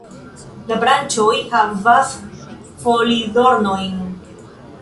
La branĉoj havas folidornojn.